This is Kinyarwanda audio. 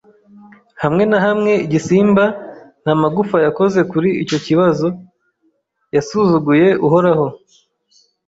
hamwe na hamwe. Igisimba nta magufa yakoze kuri icyo kibazo; yasuzuguye Uhoraho